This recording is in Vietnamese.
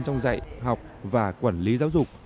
trong dạy học và quản lý giáo dục